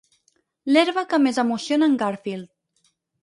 L'herba que més emociona en Garfield.